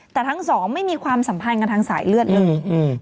แต่ทั้งสองไม่มีความสัมพันธ์กันทางสายเลือดเลย